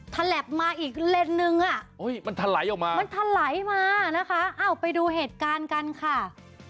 ทะแหลบมาอีกเลนหนึ่งมันทะไหลออกมานะคะไปดูเหตุการณ์กันค่ะ